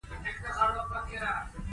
دا د ادارې اصول په عمل کې تطبیقوي.